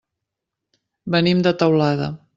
Venim de Teulada.